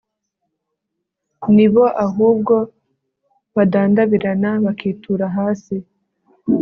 ni bo ahubwo badandabirana, bakitura hasi